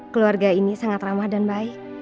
keluarga ini sangat ramah dan baik